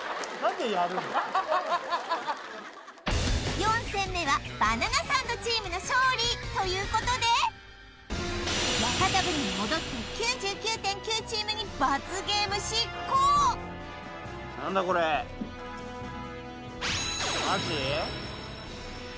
４戦目はバナナサンドチームの勝利ということで屋形船に戻って９９．９チームに罰ゲーム執行マジ？